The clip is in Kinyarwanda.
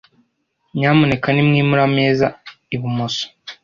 Nyamuneka nimwimure ameza ibumoso .